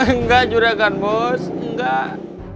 enggak juragan bos enggak